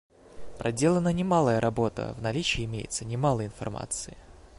Проделана немалая работа; в наличии имеется немало информации.